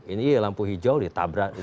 ini lampu hijau ditabrak